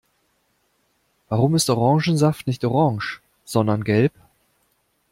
Warum ist Orangensaft nicht orange, sondern gelb?